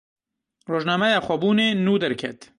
Rojnameya Xwebûnê nû derket.